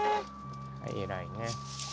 偉いね。